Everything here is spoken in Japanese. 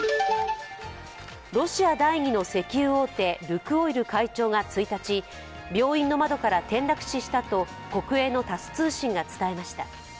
ロシア第２の石油大手ルクオイル会長が１日病院の窓から転落死したと国営のタス通信が伝えました。